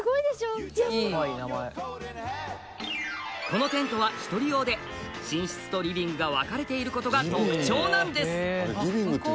このテントは１人用で寝室とリビングが分かれていることが特徴なんですあれ